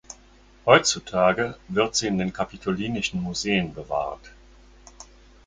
Heutzutage wird sie in den Kapitolinischen Museen bewahrt.